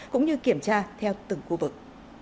cũng như kiểm tra theo từng khu vực